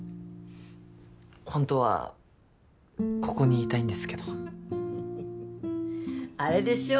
ホントはここにいたいんですけどあれでしょ？